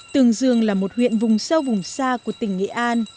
tương dương là một huyện vùng sâu vùng xa của tỉnh nghệ an